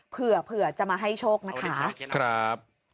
เผื่อจะมาให้โชคนะคะ